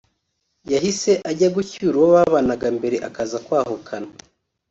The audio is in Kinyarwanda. yahise ajya gucyura uwo babanaga mbere akaza kwahukana